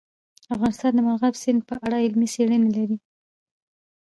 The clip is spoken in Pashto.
افغانستان د مورغاب سیند په اړه علمي څېړنې لري.